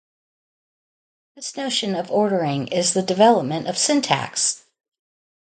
This notion of ordering is the development of syntax.